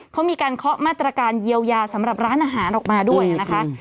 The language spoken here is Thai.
เขามีการเคาะมาตรการเยียวยาสำหรับร้านอาหารออกมาด้วยนะคะ